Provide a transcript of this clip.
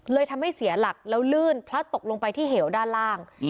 ทำให้เสียหลักแล้วลื่นพลัดตกลงไปที่เหวด้านล่าง